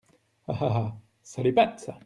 Ah ! ah ! ça l’épate, ça !…